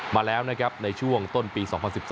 มาแล้วในช่วงต้นปี๒๐๑๓